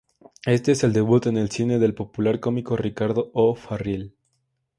Este es el debut en el cine del popular cómico Ricardo O'Farrill.